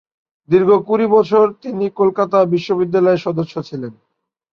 দীর্ঘ কুড়ি বৎসর তিনি কলকাতা বিশ্ববিদ্যালয়ের সদস্য ছিলেন।